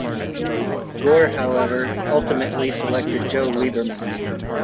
Gore, however, ultimately selected Joe Lieberman.